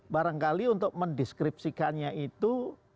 barangkali untuk mendeskripsikannya itu